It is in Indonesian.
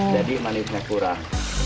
jadi manisnya kurang